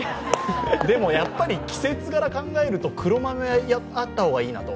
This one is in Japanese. でも、やっぱり季節柄、考えると、黒豆はあった方がいいなと。